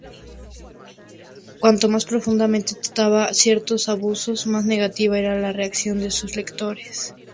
Cuanto más profundamente trataba ciertos abusos, más negativa era la reacción de sus lectores.